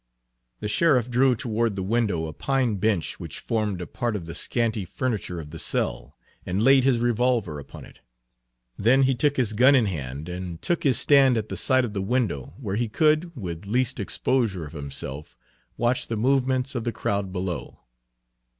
The sheriff drew toward the window a pine bench which formed a part of the scanty furniture of the cell, and laid his revolver upon it. Then he took his gun in hand, and took his stand at the side of the window where he could with least exposure of himself watch the movements of the crowd below.